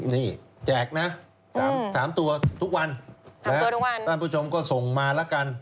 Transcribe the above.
นี่แจกนะ๓ตัวทุกวันท่านผู้ชมก็ส่งมาแล้วกัน